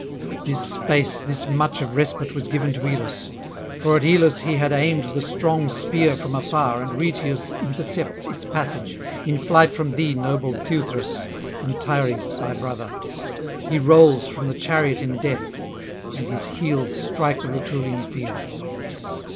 This space, this [401 435]much of respite was given to Ilus; for at Ilus he had aimed the strong spear from afar, and Rhoeteus intercepts its passage, in flight from thee, noble Teuthras and Tyres thy brother; he rolls from the chariot in death, and his heels strike the Rutulian fields.